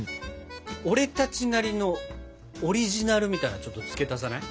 俺たちなりのオリジナルみたいなのちょっと付け足さない？